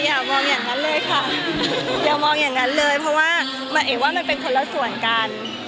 อย่ามองอย่างนั้นเลยค่ะอย่ามองอย่างนั้นเลยเพราะว่าหมายเอกว่ามันเป็นคนละส่วนกัน